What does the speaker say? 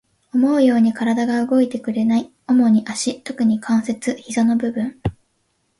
思うように体が動いてくれない。主に足、特に関節、膝の部分。